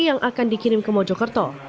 yang akan dikirim ke mojokerto